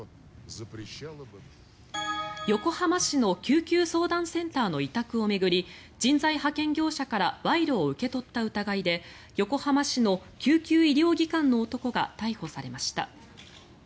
横浜市の救急相談センターの委託を巡り人材派遣業者から賄賂を受け取った問題で横浜市の救急医療技官の男が逮捕されました。